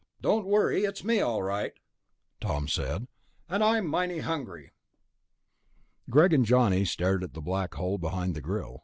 "Don't worry, it's me all right," Tom said, "and I'm mighty hungry." Greg and Johnny stared at the black hole behind the grill ...